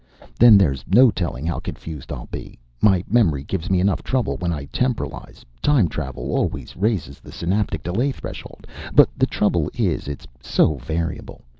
Then there's no telling how confused I'll be. My memory gives me enough trouble when I temporalize. Time travel always raises the synaptic delay threshold, but the trouble is it's so variable.